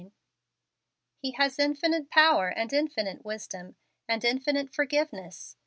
29. He has infinite power, and infinite wisdom, and infinite forgiveness.